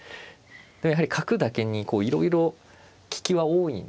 やはり角だけにいろいろ利きは多いんですよね。